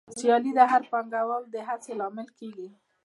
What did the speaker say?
سیالي د هر پانګوال د هڅې لامل کېږي